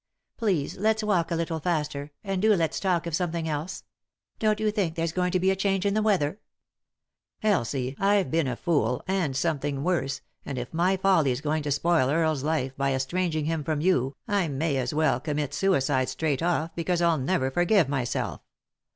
Please let's walk a little faster ; and do let's talk of something else. Don't you think there's going to be a change in the weather ?"" Elsie, I've been a fool, and something worse, and if my folly's going to spoil Earle' 3 life, by estranging him from you, I may as well commit suicide straight 181 3i 9 iii^d by Google THE INTERRUPTED KISS oft, because I'll never forgive myself.